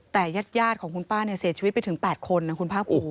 แต่ญาติของคุณป้าเนี่ยเสียชีวิตไปถึง๘คนนะคุณภาคภูมิ